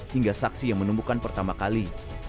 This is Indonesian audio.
hingga saksi yang menemukan pertama kali